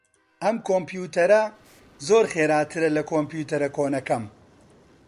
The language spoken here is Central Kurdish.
ئەم کۆمپیوتەرە زۆر خێراترە لە کۆمپیوتەرە کۆنەکەم.